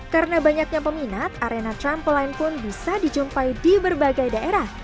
karena banyaknya peminat arena trampoline pun bisa dijumpai di berbagai daerah